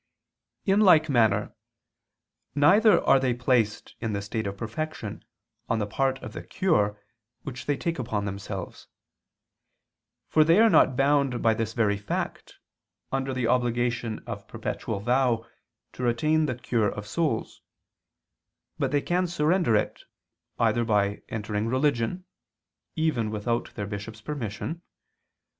In like manner, neither are they placed in the state of perfection on the part of the cure which they take upon themselves. For they are not bound by this very fact under the obligation of a perpetual vow to retain the cure of souls; but they can surrender it either by entering religion, even without their bishop's permission (cf. Decret. xix, qu. 2, can.